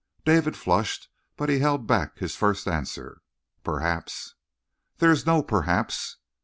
David flushed, but he held back his first answer. "Perhaps." "There is no 'perhaps.'"